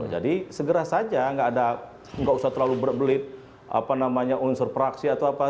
jadi segera saja gak ada gak usah terlalu berbelit apa namanya unsur praksi atau apa